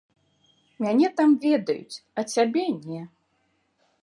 Мяне там ведаюць, а цябе не.